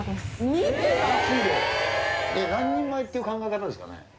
何人前っていう考え方ですかね？